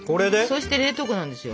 そして冷凍庫なんですよ。